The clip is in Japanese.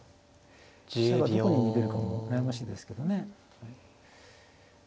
飛車がどこに逃げるかも悩ましいですけどね。